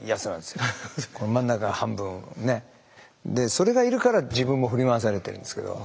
それがいるから自分も振り回されてるんですけど。